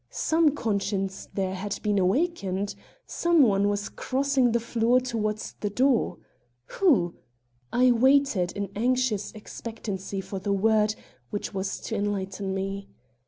Some conscience there had been awakened. Some one was crossing the floor toward the door. Who? I waited in anxious expectancy for the word which was to enlighten me.